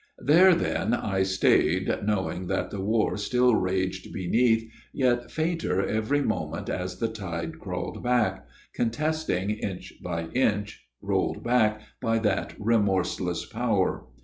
" There then I stayed, knowing that the war still raged beneath, yet fainter every moment as the tide crawled back, contesting inch by inch, rolled back by that remorseless power.